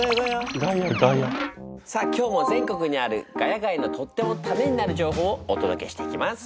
さあ今日も全国にある「ヶ谷街」のとってもためになる情報をお届けしていきます。